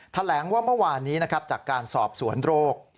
แถลงว่าเมื่อวานนี้นะครับจากการสอบสวนโรค